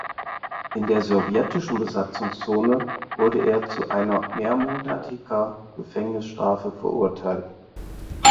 In der Sowjetischen Besatzungszone wurde er zu einer mehrmonatiger Gefängnisstrafe verurteilt.